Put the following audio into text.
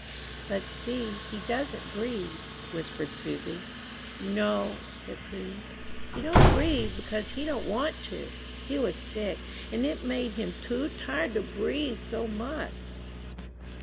"But see, he doesn't breathe," whispered Susy. "No," said Prudy, "he don't breathe because he don't want to. He was sick, and it made him too tired to breathe so much."